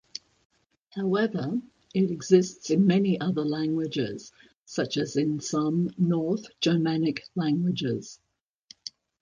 However, it exists in many other languages, such as in some North Germanic languages.